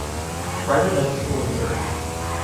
Private middle school in Zurich.